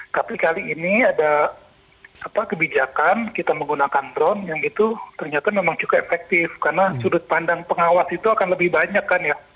tapi kali ini ada kebijakan kita menggunakan drone yang itu ternyata memang cukup efektif karena sudut pandang pengawas itu akan lebih banyak kan ya